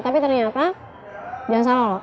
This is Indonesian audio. tapi ternyata jangan salah loh